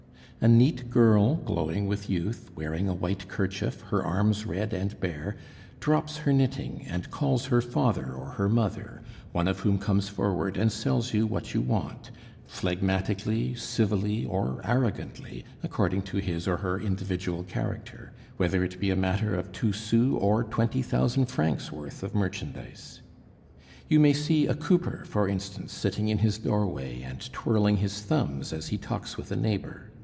A neat girl, glowing with youth, wearing a white kerchief, her arms red and bare, drops her knitting and calls her father or her mother, one of whom comes forward and sells you what you want, phlegmatically, civilly, or arrogantly, according to his or her individual character, whether it be a matter of two sous' or twenty thousand francs' worth of merchandise. You may see a cooper, for instance, sitting in his doorway and twirling his thumbs as he talks with a neighbor.